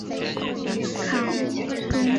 父亲是酒井康忠。